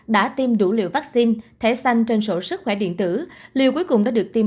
đã tiêm đủ liều vaccine thẻ xanh trên sổ sức khỏe điện tử liều cuối cùng đã được tiêm